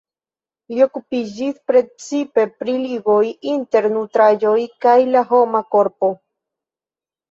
Li okupiĝis precipe pri ligoj inter nutraĵoj kaj la homa korpo.